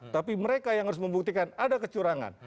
tapi mereka yang harus membuktikan ada kecurangan